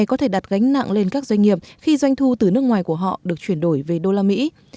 các công ty đa quốc gia của mỹ có thể đặt gánh nặng lên các doanh nghiệp khi doanh thu từ nước ngoài của họ được chuyển đổi về đô la mỹ